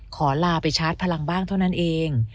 ขอลาไปชาร์จพลังบ้างเท่านั้นเอง